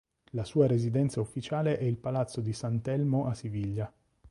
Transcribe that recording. La sua residenza ufficiale è il Palazzo di San Telmo a Siviglia.